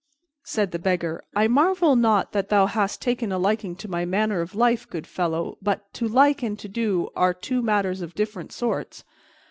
Said the Beggar, "I marvel not that thou hast taken a liking to my manner of life, good fellow, but 'to like' and 'to do' are two matters of different sorts.